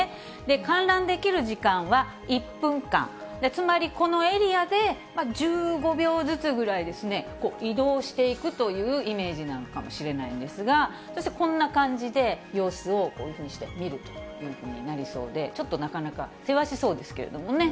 観覧できる時間は１分間、つまりこのエリアで１５秒ずつぐらいですね、移動していくというイメージなのかもしれないんですが、そしてこんな感じで、様子をこういうふうにして見るというふうになりそうで、ちょっとなかなかせわしそうですけれどもね。